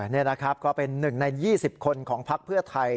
นี่นะครับก็เป็น๑ใน๒๐คนของพักเพื่อไทย